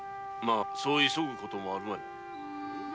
そう急ぐこともあるまい。